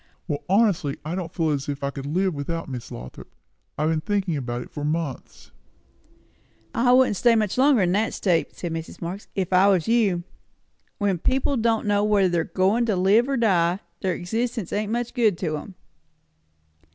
"Well, honestly, I don't feel as if I could live without Miss Lothrop. I've been thinking about it for months." "I wouldn't stay much longer in that state," said Mrs. Marx, "if I was you. When people don' know whether they're goin' to live or die, their existence ain't much good to 'em."